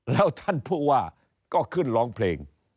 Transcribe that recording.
แล้วท่านผู้ว่าก็ขึ้นร้องเพลง